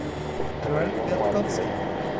Joel Kwiatkowski